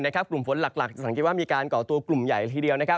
กลุ่มฝนหลักจะสังเกตว่ามีการก่อตัวกลุ่มใหญ่ละทีเดียว